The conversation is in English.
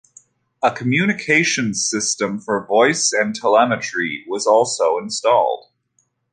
A communications system for voice and telemetry was also installed.